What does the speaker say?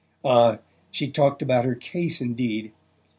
Ah, she talked about her case indeed!